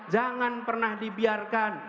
jangan pernah dibiarkan